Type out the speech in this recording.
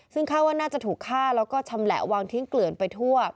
ซึ่งคาดว่าน่าจะถูกฆ่าแล้วก็ชำแหละวางทิ้งเกลื่อนไปทั่ว